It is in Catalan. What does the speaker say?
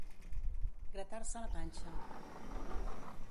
Gratar-se la panxa.